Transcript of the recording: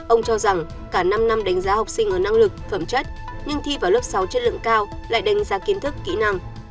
ông cho rằng cả năm năm đánh giá học sinh ở năng lực phẩm chất nhưng thi vào lớp sáu chất lượng cao lại đánh giá kiến thức kỹ năng